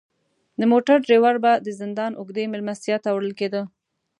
د موټر دریور به د زندان اوږدې میلمستیا ته وړل کیده.